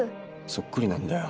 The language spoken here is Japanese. そっくりなんだよ